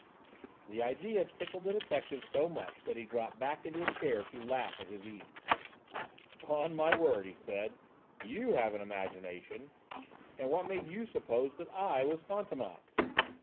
The idea tickled the detective so much that he dropped back into a chair to laugh at his ease. "'Pon my word," he said, "you have an imagination! And what made you suppose that I was Fantômas?" "M.